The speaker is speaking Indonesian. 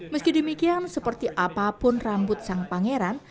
meski demikian seperti apapun rambut sang pangeran